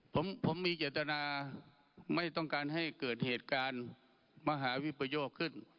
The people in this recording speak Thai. ผมมีเจตนาไม่ต้องการให้เกิดเหตุการณ์มหาวิปโยคขึ้น